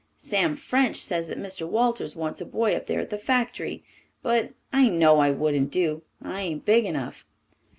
Sam French says that Mr. Walters wants a boy up there at the factory, but I know I wouldn't do. I ain't big enough.